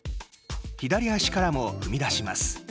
左足からも踏み出します。